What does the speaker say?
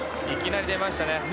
いきなり出ましたね。